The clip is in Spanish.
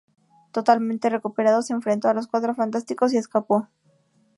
Totalmente recuperado, se enfrentó a los Cuatro Fantásticos, y escapó.